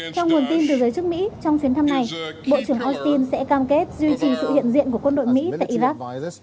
theo nguồn tin từ giới chức mỹ trong chuyến thăm này bộ trưởng austin sẽ cam kết duy trì sự hiện diện của quân đội mỹ tại iraq